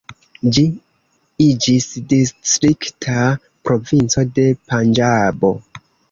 Ĝi iĝis distrikta provinco de Panĝabo.